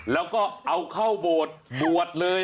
แล้วก็เอาเข้าโบสถ์บวชเลย